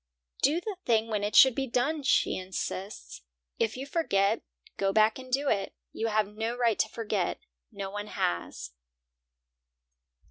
"Do the thing when it should be done," she insists. "If you forget, go back and do it. You have no right to forget; no one has."